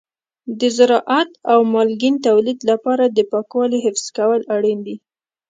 د زراعت او مالګین تولید لپاره د پاکوالي حفظ کول اړین دي.